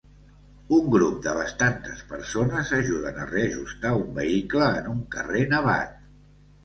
Un grup de bastantes persones ajuden a reajustar un vehicle en un carrer nevat.